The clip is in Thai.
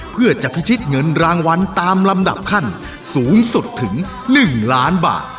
เพื่อจะพิชิตเงินรางวัลตามลำดับขั้นสูงสุดถึง๑ล้านบาท